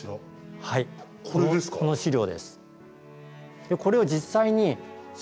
この資料です。